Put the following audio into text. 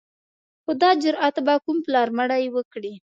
خو دا جرأت به کوم پلار مړی وکړي.